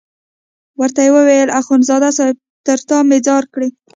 ورته ویې ویل اخندزاده صاحب تر تا مې ځار کړې.